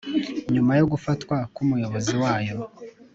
Nyuma yo gufatwa, k umuyobozi wayo